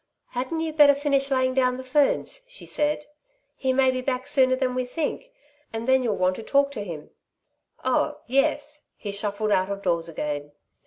"Hadn't you better finish laying down the ferns," she said. "He may be back sooner than we think and then you'll want to talk to him." "Oh, yes!" He shuffled out of doors again.